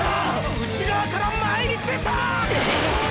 内側から前に出たっ！！